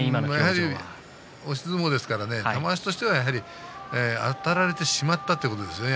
やはり押し相撲ですから玉鷲としては、あたられてしまったということですね。